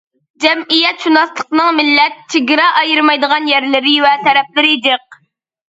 جەمئىيەتشۇناسلىقنىڭ مىللەت، چېگرا ئايرىمايدىغان يەرلىرى ۋە تەرەپلىرى جىق.